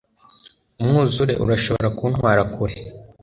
Umwuzure urashobora kuntwara kure